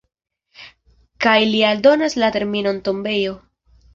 Kaj li aldonas la terminon "tombejo".